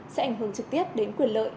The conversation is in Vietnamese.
sẽ ảnh hưởng trực tiếp đến quyền lợi